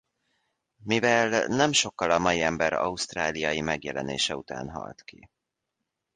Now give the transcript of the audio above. Mivel nem sokkal a mai ember ausztráliai megjelenése után halt ki.